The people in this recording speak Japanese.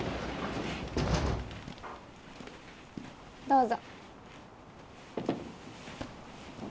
どうぞ。